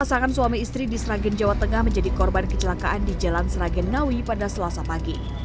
pasangan suami istri di sragen jawa tengah menjadi korban kecelakaan di jalan sragen ngawi pada selasa pagi